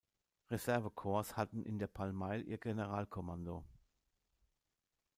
Reserve-Korps hatten in der Palmaille ihr Generalkommando.